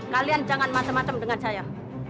kalian jangan macam macam dengan saya